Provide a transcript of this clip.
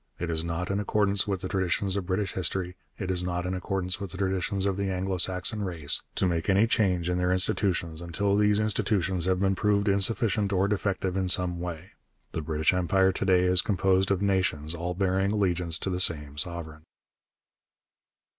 It is not in accordance with the traditions of British history, it is not in accordance with the traditions of the Anglo Saxon race, to make any change in their institutions until these institutions have been proved insufficient or defective in some way.... The British Empire to day is composed of nations, all bearing allegiance to the same sovereign.